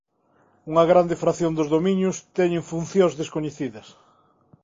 Unha grande fracción dos dominios teñen funcións descoñecidas.